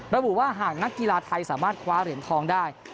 ระบุว่าหากนักกีฬาไทยสามารถคว้าเหรียญทองได้